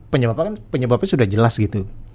penyebabnya sudah jelas gitu